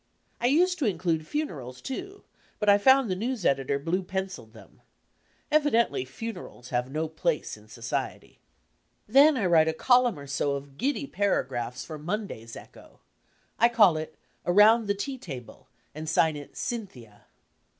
I used tt> include funerals, too, but I found the news editor blue pencilled them. Evidendy funerals have no place in society. Then I write a column or so of giddy paragraphs for i«ii b, Google Monday's Echo, I call it "Around the Tea Table," and sign it "Cynthia."